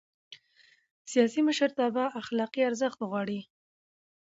سیاسي مشرتابه اخلاقي ارزښت غواړي